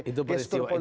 gestur politik baru